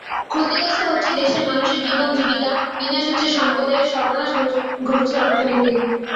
ক্ষতিগ্রস্ত হচ্ছে দেশের মানুষের জীবন-জীবিকা, বিনাশ হচ্ছে সম্পদের, সর্বনাশ ঘটছে অর্থনীতির।